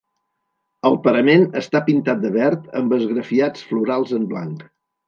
El parament està pintat de verd amb esgrafiats florals en blanc.